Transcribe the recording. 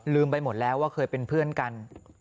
ไปหมดแล้วว่าเคยเป็นเพื่อนกัน